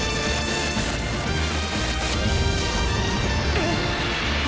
えっ？